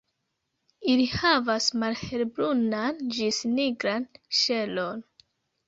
Ili havas malhelbrunan ĝis nigran ŝelon.